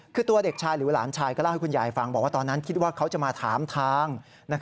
คือตัวเด็กชายหรือหลานชายก็เล่าให้คุณยายฟังบอกว่าตอนนั้นคิดว่าเขาจะมาถามทาง